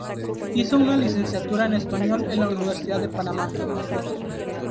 Hizo una licenciatura en español en la Universidad de Panamá.